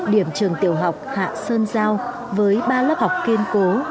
điểm trường tiểu học hạ sơn giao với ba lớp học kiên cố